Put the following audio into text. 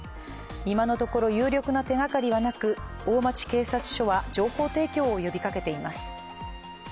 今のところ、有力な手がかりはなく、大町警察署は情報提供を呼びかけています。